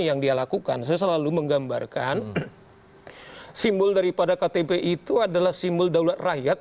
yang dia lakukan saya selalu menggambarkan simbol daripada ktp itu adalah simbol daulat rakyat